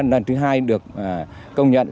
lần thứ hai được công nhận